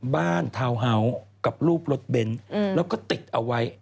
บ้านเท้าเฮ้ากับรูปรถเบ้นเราก็ติดเอาไว้